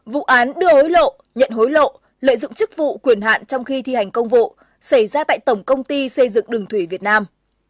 vụ án đưa hối lộ nhận hối lộ lợi dụng chức vụ quyền hạn trong khi thi hành công vụ xảy ra tại tổng công ty xây dựng đường thủy việt nam